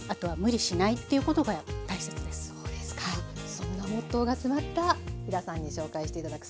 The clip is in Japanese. そんなモットーが詰まった飛田さんに紹介して頂く